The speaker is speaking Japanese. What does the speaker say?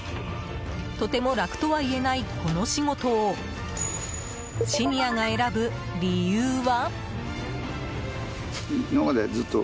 とても楽とはいえないこの仕事をシニアが選ぶ理由は？